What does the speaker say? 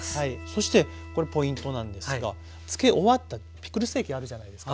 そしてこれポイントなんですが漬け終わったピクルス液あるじゃないですか。